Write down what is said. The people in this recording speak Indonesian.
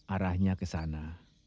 arahnya ke sana